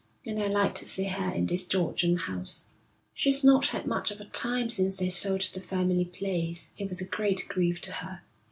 And I like to see her in this Georgian house.' 'She's not had much of a time since they sold the family place. It was a great grief to her.'